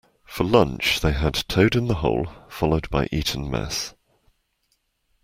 For lunch, they had toad-in-the-hole followed by Eton mess